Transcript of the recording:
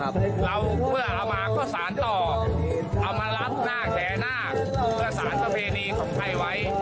เราเมื่อเอามาก็สารต่อเอามารัดหน้าแห่หน้าเพื่อสารประเพณีของไทยไว้